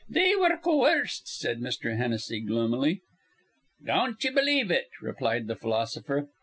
"They were coerced," said Mr. Hennessy, gloomily. "Don't ye believe it," replied the philosopher.